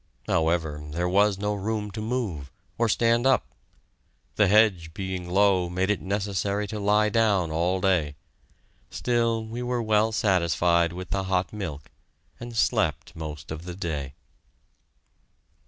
However, there was no room to move or stand up. The hedge being low made it necessary to lie down all day. Still, we were well satisfied with the hot milk, and slept most of the day.